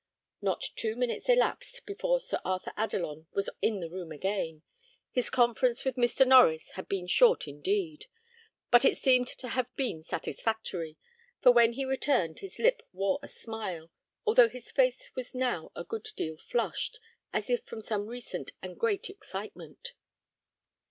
Not two minutes elapsed before Sir Arthur Adelon was in the room again. His conference with Mr. Norries had been short indeed; but it seemed to have been satisfactory, for when he returned his lip wore a smile, although his face was now a good deal flushed, as if from some recent and great excitement.